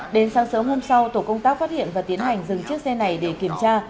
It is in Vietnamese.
đến sáng sớm hôm sau tổ công tác phát hiện và tiến hành dừng chiếc xe này để kiểm tra